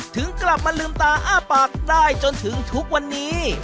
ถึงกลับมาลืมตาอ้าปากได้จนถึงทุกวันนี้